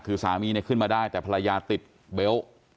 คือสามีเนี่ยขึ้นมาได้แต่ภรรยาติดเบลต์